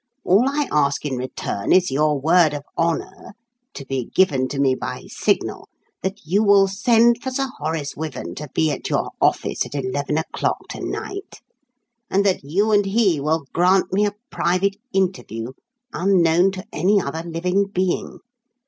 All I ask in return is your word of honour (to be given to me by signal) that you will send for Sir Horace Wyvern to be at your office at eleven o'clock to night, and that you and he will grant me a private interview unknown to any other living being.